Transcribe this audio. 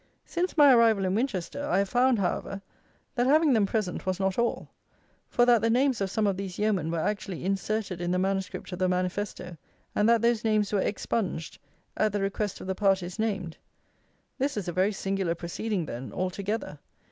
Since my arrival in Winchester, I have found, however, that having them present was not all; for that the names of some of these yeomen were actually inserted in the manuscript of the manifesto, and that those names were expunged at the request of the parties named. This is a very singular proceeding, then, altogether.